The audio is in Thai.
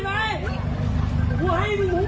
แม่ขี้หมาเนี่ยเธอดีเนี่ย